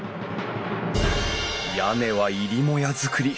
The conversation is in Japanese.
屋根は入り母屋造り。